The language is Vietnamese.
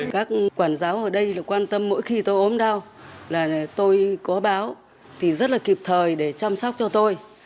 các quản giáo ở đây quan tâm mỗi khi tôi ốm đau là tôi có báo thì rất là kịp thời để chăm sóc cho tôi